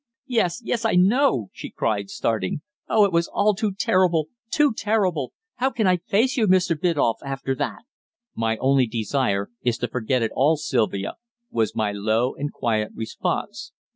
"Yes, yes, I know!" she cried, starting. "Oh, it was all too terrible too terrible! How can I face you, Mr. Biddulph, after that!" "My only desire is to forget it all, Sylvia," was my low and quiet response.